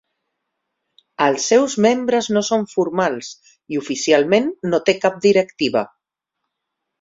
Els seus membres no són formals i oficialment no té cap directiva.